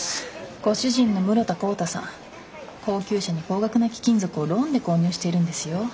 ご主人の室田晃汰さん高級車に高額な貴金属をローンで購入しているんですよ。